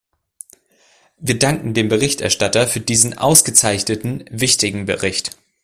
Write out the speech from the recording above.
Wir danken dem Berichterstatter für diesen ausgezeichneten wichtigen Bericht.